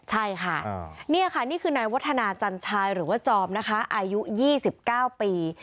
ใช่ค่ะนี่ค่ะนี่คือนายวัฒนาจันชายหรือว่าจอมนะคะอายุ๒๙ปี